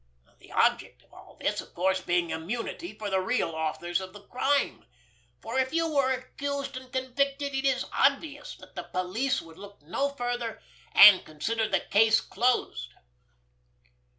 The object of all this, of course, being immunity for the real authors of the crime, for if you were accused and convicted it is obvious that the police would look no further and consider the case closed."